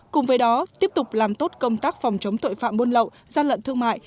cùng với đó tiếp tục làm tốt công tác phòng chống tội phạm buôn lậu gian lận thương mại